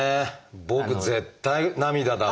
僕絶対涙だわ。